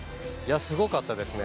すごかったですね。